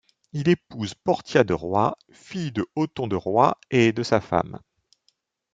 Il épouse Portia de Roye, fille de Othon de Roye et de sa femme.